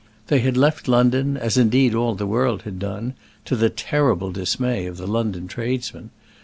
They had left London, as, indeed, all the world had done, to the terrible dismay of the London tradesmen.